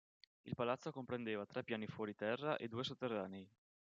Il palazzo comprendeva tre piani fuori terra e due sotterranei.